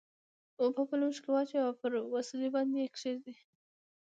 اوبه په لوښي کې واچوئ او پر وسیلې باندې یې کیږدئ.